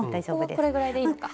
ここはこれぐらいでいいのか。